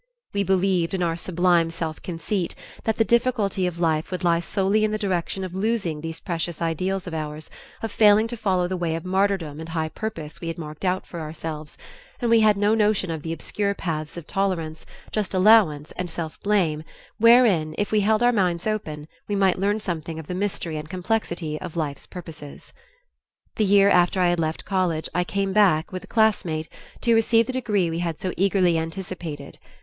We believed, in our sublime self conceit, that the difficulty of life would lie solely in the direction of losing these precious ideals of ours, of failing to follow the way of martyrdom and high purpose we had marked out for ourselves, and we had no notion of the obscure paths of tolerance, just allowance, and self blame wherein, if we held our minds open, we might learn something of the mystery and complexity of life's purposes. The year after I had left college I came back, with a classmate, to receive the degree we had so eagerly anticipated.